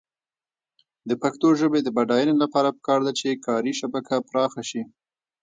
د پښتو ژبې د بډاینې لپاره پکار ده چې کاري شبکه پراخه شي.